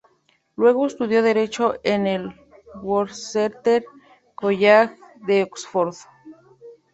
Luego estudió Derecho en el Worcester College de Oxford.